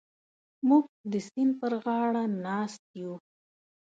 موږ د سیند پر غاړه ناست یو.